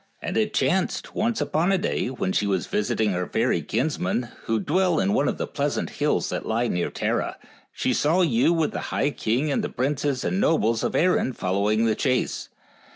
And it chanced, once upon a day, when she was visit ing her fairy kinsmen, who dwell in one of the pleasant hills that lie near Tara, she saw you with the high king and princes and nobles of Erin following the chase.